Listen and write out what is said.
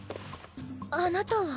あなたは？